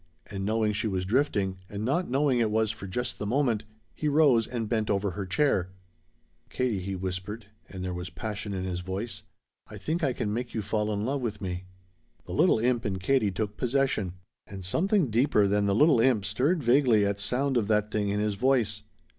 And knowing she was drifting, and not knowing it was for just the moment, he rose and bent over her chair. "Katie," he whispered, and there was passion in his voice, "I think I can make you fall in love with me." The little imp in Katie took possession. And something deeper than the little imp stirred vaguely at sound of that thing in his voice.